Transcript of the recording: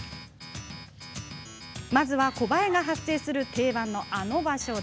まずは、コバエが発生する定番のあの場所。